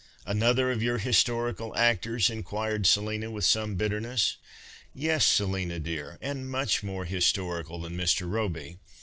"'" Another of your historical actors ?" inquired Selina with some bitterness. " Yes, Selina, dear, and much more historical than Mr. Robey.